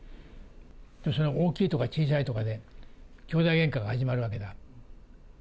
すると、大きいとか小さいとかで、きょうだいげんかが始まるわけだ。